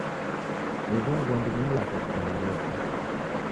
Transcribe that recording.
Ughu mghondi ni mlacha kuchumba rose.